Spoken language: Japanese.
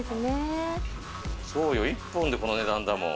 そうよ１本でこの値段だもん。